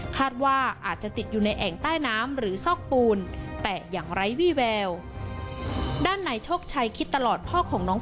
คาดว่าอาจจะติดอยู่ในแอ่ง